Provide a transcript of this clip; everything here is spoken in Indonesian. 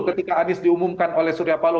ketika anies diumumkan oleh suryapalo